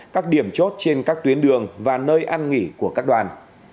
các điểm chốt trên các tuyến đường và nơi ăn nghỉ của các đoàn